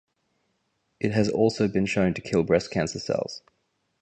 It has also been shown to kill breast cancer cells.